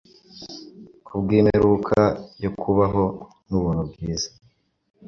kubwimperuka yo kubaho nubuntu bwiza